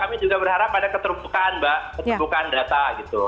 kami juga berharap ada keterbukaan mbak keterbukaan data gitu